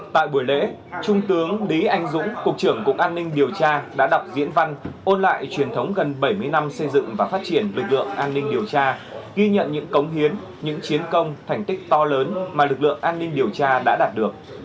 tại buổi lễ trung tướng lý anh dũng cục trưởng cục an ninh điều tra đã đọc diễn văn ôn lại truyền thống gần bảy mươi năm xây dựng và phát triển lực lượng an ninh điều tra ghi nhận những cống hiến những chiến công thành tích to lớn mà lực lượng an ninh điều tra đã đạt được